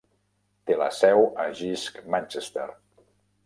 Té la seu a Jisc Manchester.